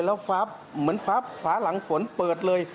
มันเหมือนฝาหลังฝนเปิดเลย